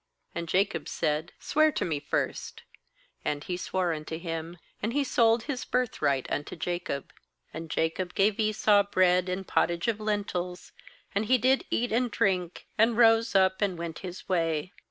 And Jacob said :' Swear to me first* and he swore unto him; and he sold his birthright unto Jacob. Jacob gave Esau bread and pottage of lentils; and he did eat and drink, and rose up, and went Ms way.